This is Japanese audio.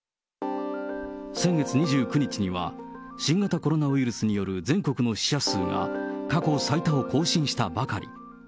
先月２９日には、新型コロナウイルスによる全国の死者数が過去最多を更新したばかり。